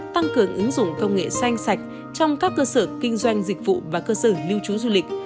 tăng cường ứng dụng công nghệ xanh sạch trong các cơ sở kinh doanh dịch vụ và cơ sở lưu trú du lịch